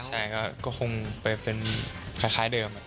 ใช่ก็คงไปเป็นคล้ายเดิม